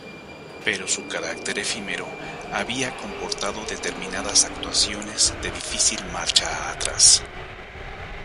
Pero su carácter efímero había comportado determinadas actuaciones de difícil marcha atrás.